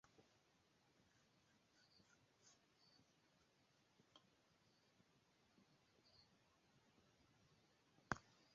Interalie partoprenis la teamon tri krokodilaj ludantoj el Laoso, varbitaj en Seulo.